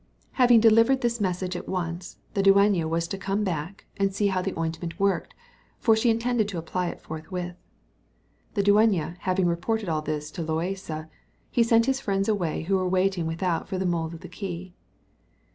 Having delivered this message at once, the dueña was to come back, and see how the ointment worked, for she intended to apply it forthwith. The dueña having reported all this to Loaysa, he sent away his friends who were waiting without for the mould of the key.